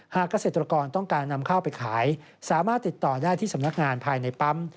เกษตรกรต้องการนำข้าวไปขายสามารถติดต่อได้ที่สำนักงานภายในปั๊ม